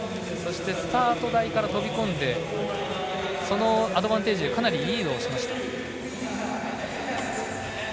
スタート台から飛び込んでそのアドバンテージかなりリードしました。